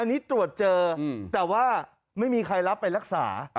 อันนี้ตรวจเจอแต่ว่าไม่มีใครรับไปรักษา